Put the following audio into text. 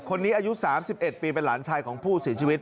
อายุ๓๑ปีเป็นหลานชายของผู้เสียชีวิต